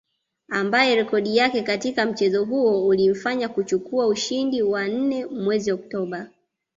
Ambaye rekodi yake katika mchezo huo ulimfanya kuchukua ushindi wa nne mwezi Oktoba